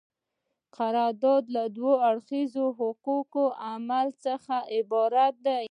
قرارداد له دوه اړخیزه حقوقي عمل څخه عبارت دی.